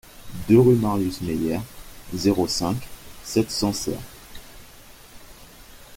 deux rue Marius Meyère, zéro cinq, sept cents Serres